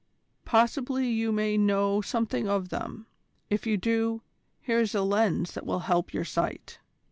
Possibly you may know something of them. If you do, here is a lens that will help your sight."